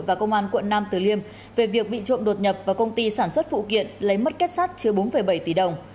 và công an quận nam tử liêm về việc bị trộm đột nhập vào công ty sản xuất phụ kiện lấy mất kết sát chứa bốn bảy tỷ đồng